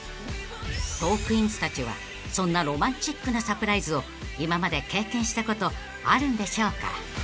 ［トークィーンズたちはそんなロマンチックなサプライズを今まで経験したことあるんでしょうか？］